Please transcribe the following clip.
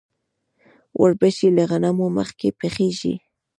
وربشې له غنمو مخکې پخیږي.